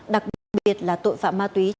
đặc biệt là tội phạm ma túy